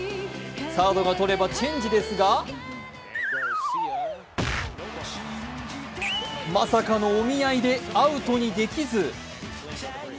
サードが取れればチェンジですがまさかのお見合いで、アウトにできず。